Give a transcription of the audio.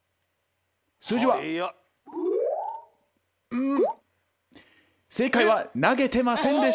うん正解は投げてませんでした」。